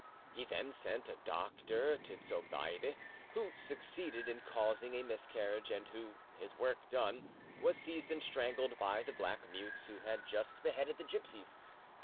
He then sent a doctor to Zobeide; who succeeded in causing a miscarriage, and who, his work done, was seized and strangled by the black mutes who had just beheaded the gipsies.